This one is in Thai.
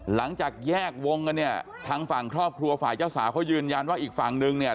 หลังจากแยกวงกันเนี่ยทางฝั่งครอบครัวฝ่ายเจ้าสาวเขายืนยันว่าอีกฝั่งนึงเนี่ย